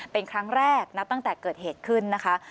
เป็นครั้งแรกนับตั้งแต่เกิดเหตุขึ้นนะคะ